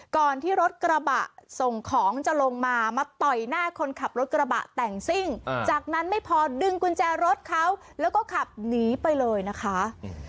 ก่อนที่รถกระบะส่งของจะลงมามาต่อยหน้าคนขับรถกระบะแต่งซิ่งจากนั้นไม่พอดึงกุญแจรถเขาแล้วก็ขับหนีไปเลยนะคะ